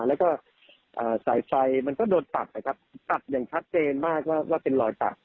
แล้วสายชัยมันก็ตัดอย่างทัศเจนมากว่าเป็นรอยตัด